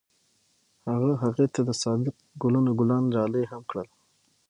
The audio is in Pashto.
هغه هغې ته د صادق ګلونه ګلان ډالۍ هم کړل.